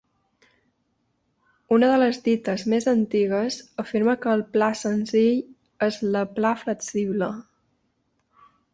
Una de les dites més antigues afirma que el pla senzill és la pla flexible.